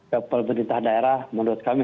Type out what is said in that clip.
ke pemerintah daerah menurut kami